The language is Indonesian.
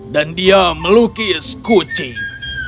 dan dia melukis kucing